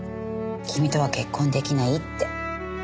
君とは結婚出来ない」って。